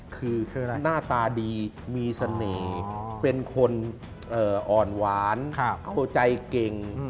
คือหน้าตาดีมีเสน่ห์เป็นคนอ่อนหวานเข้าใจเก่ง